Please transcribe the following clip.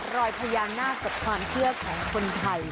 รอยพญานาคกับความเชื่อของคนไทย